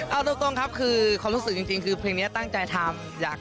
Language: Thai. เอาตรงครับคือความรู้สึกจริงคือเพลงนี้ตั้งใจทำ